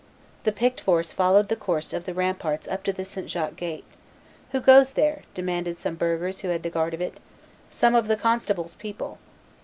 The picked force followed the course of the ramparts up to the St. Jacques gate. "Who goes there?" demanded some burghers who had the guard of it. "Some of the constable's people."